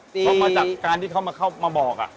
เข้ามาจากการที่เขาเข้ามาบอก